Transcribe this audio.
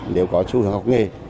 nếu có xu hướng học nghề